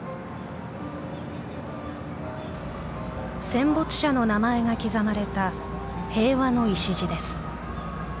戦没者の名前が刻まれた平和の礎です。